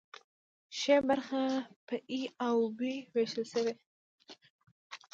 ښي برخه په ای او بي ویشل شوې ده.